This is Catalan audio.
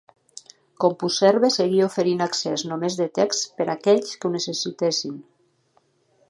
CompuServe seguia oferint accés només de text per aquells que ho necessitessin.